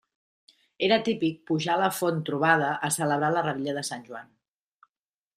Era típic pujar a la Font Trobada a celebrar la revetlla de Sant Joan.